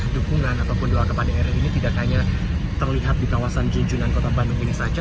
dukungan ataupun doa kepada eril ini tidak hanya terlihat di kawasan jinjunan kota bandung ini saja